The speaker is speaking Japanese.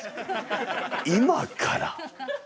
今から！